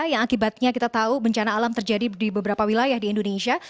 yang akibatnya kita tahu bencana alam terjadi di beberapa wilayah di indonesia